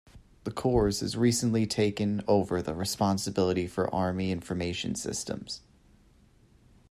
The Corps has recently taken over the responsibility for Army Information Systems.